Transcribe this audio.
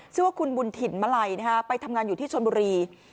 ชื่อว่าคุณบุญถิ่นมาลัยไปทำงานอยู่ที่ชนบุรี